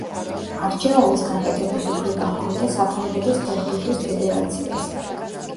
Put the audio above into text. არჩევანის გაკეთების უფლება ჰქონდა საფრანგეთის ფეხბურთის ფედერაციას.